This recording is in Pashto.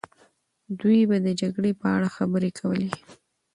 دوی به د جګړې په اړه خبرې کولې.